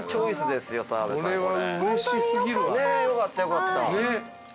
ねっよかったよかった。